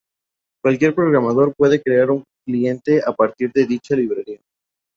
Cualquier programador puede crear un cliente a partir de dicha librería.